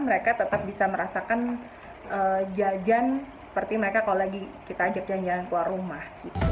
mereka tetap bisa merasakan jajan seperti mereka kalau lagi kita ajak jalan jalan keluar rumah